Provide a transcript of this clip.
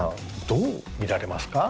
どう見られますか？